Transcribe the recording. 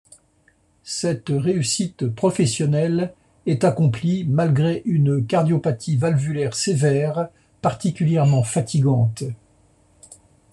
Cette réussite professionnelle est accomplie malgré une cardiopathie valvulaire sévère particulièrement fatigante.